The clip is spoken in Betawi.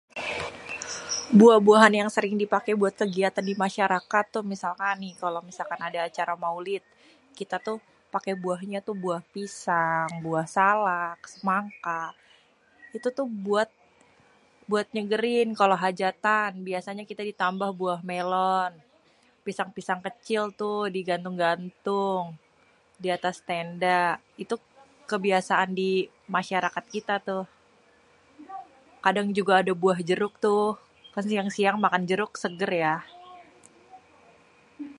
Buah-buahan yang sering dipaké buat kegiatan di masyarakat tuh misalkan nih kalo misalkan ada acara maulid, kita tuh paké buahnya tuh buah pisang, buah salak, semangka. Itu tuh buat, buat nyegerin kalo hajatan biasanya kita ditambah buah melon, pisang-pisang kecil tuh digantung-gantung di atas tenda. Itu kebiasaan di masyarakat kita tuh. Kadang juga ada buah jeruk tuh, kan siang-siang makan jeruk seger ya.